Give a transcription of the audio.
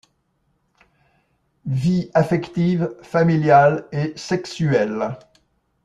Vie affective, familiale et sexuelle.